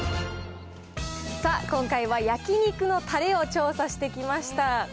さあ、今回は焼肉のたれを調査してきました。